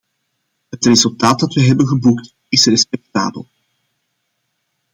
Het resultaat dat we hebben geboekt is respectabel.